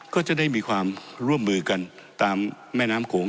ก็จะได้มีความร่วมมือกันตามแม่น้ำโขง